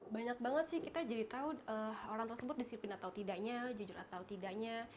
banyak banget sih kita jadi tahu orang tersebut disiplin atau tidaknya jujur atau tidaknya